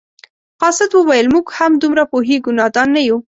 قاصد وویل موږ هم دومره پوهیږو نادان نه یو.